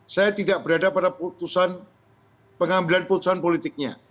saya tidak berada pada putusan pengambilan putusan politiknya